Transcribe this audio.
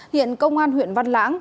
hiện công an huyện văn lãng